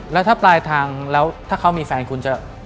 แล้วถ้าปลายทางแล้วถ้าเขามีแฟนคุณจะ